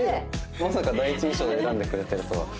まさか第一印象で選んでくれてるとは。